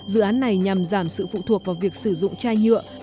dự án này nhằm giảm sự phụ thuộc vào việc sử dụng chai nhựa